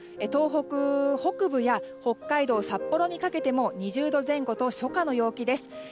東北北部や北海道札幌にかけても２０度前後と初夏の陽気です。